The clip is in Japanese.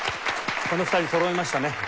この２人そろいましたね。